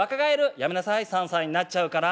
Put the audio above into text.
「やめなさい３歳になっちゃうから」。